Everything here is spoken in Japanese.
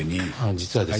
実はですね。